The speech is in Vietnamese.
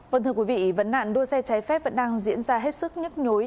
vâng thưa quý vị vấn nạn đua xe trái phép vẫn đang diễn ra hết sức nhức nhối